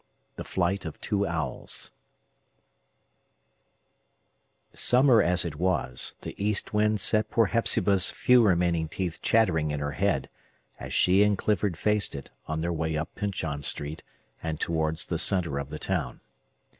The Flight of Two Owls Summer as it was, the east wind set poor Hepzibah's few remaining teeth chattering in her head, as she and Clifford faced it, on their way up Pyncheon Street, and towards the centre of the town.